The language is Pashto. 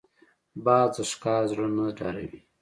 باز د ښکار زړه نه ډاروي